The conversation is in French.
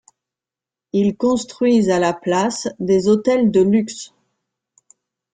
Ils construisent à la place, des hôtels de luxe.